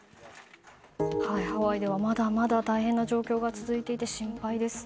ハワイではまだまだ大変な状況が続いていて心配です。